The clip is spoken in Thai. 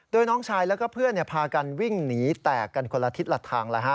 โดยน้องชายแล้วก็เพื่อนพากันวิ่งหนีแตกกันคนละทิศละทาง